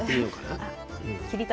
あ切り方